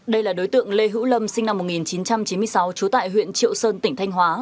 đây là đối tượng lê hữu lâm sinh năm một nghìn chín trăm chín mươi sáu trú tại huyện triệu sơn tỉnh thanh hóa